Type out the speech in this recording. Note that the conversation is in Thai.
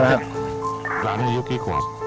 อะไรครับ